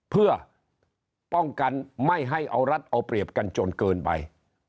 เพื่อป้องกันไม่ให้เอารัฐเอาเปรียบกันจนเกินไป